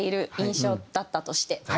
だったとして。